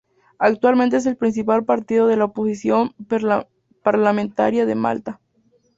Actualmente es el principal partido de la oposición parlamentaria de Malta.